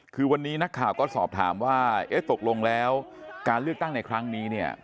คือวันนี้นักข่าวก็สอบถามว่าเอ๊ะตกลงแล้วการเลือกตั้งในครั้งนี้เนี่ย